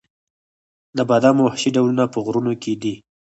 د بادامو وحشي ډولونه په غرونو کې دي؟